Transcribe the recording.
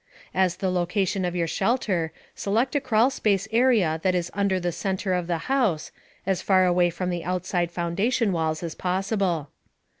As the location for your shelter, select a crawl space area that is under the center of the house, as far away from the outside foundation walls as possible.